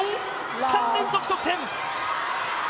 ３連続得点！